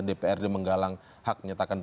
dprd kan begini ya